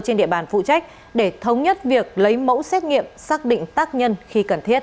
trên địa bàn phụ trách để thống nhất việc lấy mẫu xét nghiệm xác định tác nhân khi cần thiết